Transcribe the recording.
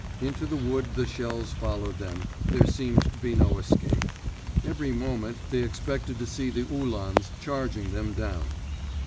Into the wood the shells followed them—there seemed to be no escape. Every moment they expected to see the uhlans charging them down.